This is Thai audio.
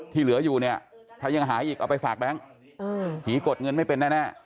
ที่เหลืออยู่เนี่ยถ้ายังหายอีกเอาไปฝากแบงค์ผีกดเงินไม่เป็นแน่